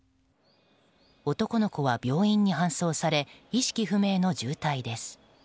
男の子は病院に搬送され意識不明の重体です。